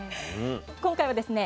今回はですね